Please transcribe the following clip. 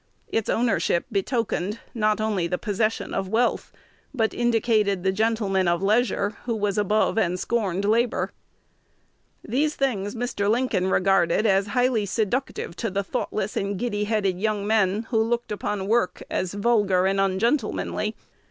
Its ownership betokened, not only the possession of wealth, but indicated the gentleman of leisure, who was above and scorned labor.' These things Mr. Lincoln regarded as highly seductive to the thoughtless and giddy headed young men who looked upon work as vulgar and ungentlemanly.